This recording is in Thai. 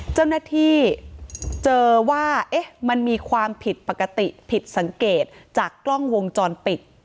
เจ้าหน้าที่เจอว่ามันมีความผิดปกติผิดสังเกตจากกล้องวงจรปิด